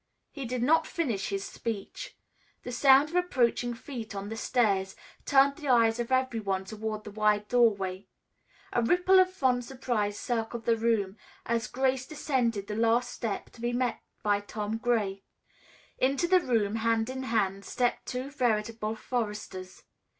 He did not finish his speech. The sound of approaching feet on the stairs turned the eyes of every one toward the wide doorway. A ripple of fond surprise circled the room, as Grace descended the last step to be met by Tom Gray. Into the room, hand in hand, stepped two veritable foresters.